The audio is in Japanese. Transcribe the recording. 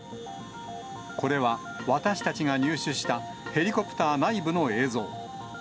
これは私たちが入手したヘリコプター内部の映像。